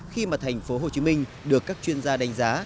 khi mà thành phố hồ chí minh được các chuyên gia đánh giá